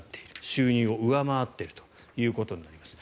収入を上回っているということになります。